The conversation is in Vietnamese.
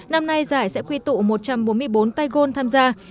năm nay giải sẽ quy tụ một trăm bốn mươi bốn tai gôn tham gia